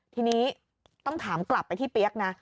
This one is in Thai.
ทีนี้ต้องถามกลับไปที่เปี๊ยกนะ